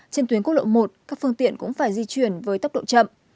trên tuyến quốc lộ một các phương tiện cũng phải di chuyển với tốc độ chậm